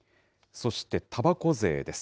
そしてたばこ税です。